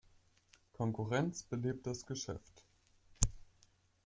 Konkurrenz belebt das Geschäft.